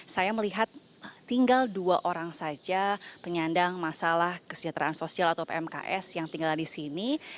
saya melihat tinggal dua orang saja penyandang masalah kesejahteraan sosial atau pmks yang tinggal di sini